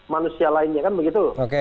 manusia lainnya kan begitu